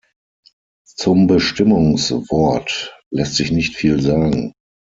Zum Bestimmungswort lässt sich nicht viel sagen.